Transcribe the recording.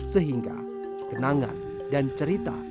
sehingga kenangan dan cerita